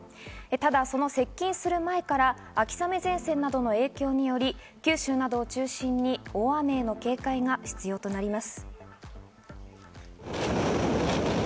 ただその接近する前から秋雨前線などの影響により、九州などを中心に大雨への警戒が必要となります。